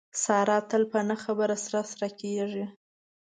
ساره تل په نه خبره سره سره کېږي.